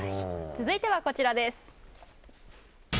続いては、こちらです。